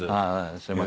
すいません。